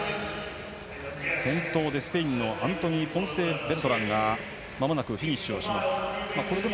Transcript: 先頭でスペインのアントニー・ポンセベルトランがフィニッシュです。